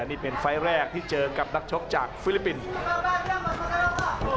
นี่เป็นไฟล์แรกที่เจอกับนักชกจากฟิลิปปินส์